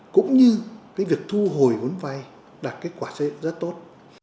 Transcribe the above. cũng như việc thu hồi vốn vay đạt kết quả rất tốt